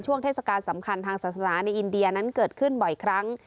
เทศกาลสำคัญทางศาสนาในอินเดียนั้นเกิดขึ้นบ่อยครั้ง